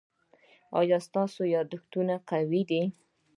ایا ستاسو یادښت قوي دی؟